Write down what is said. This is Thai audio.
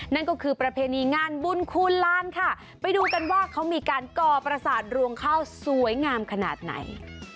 นั่นก็คือประเพณีงานบุญคูณลานค่ะไปดูกันว่าเขามีการก่อประสาทรวงข้าวสวยงามขนาดไหน